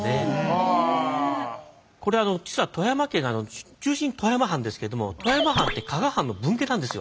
これ実は富山県中心は富山藩ですけども富山藩って加賀藩の分家なんですよ。